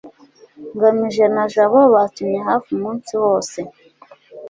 ngamije na jabo bakinnye hafi umunsi wose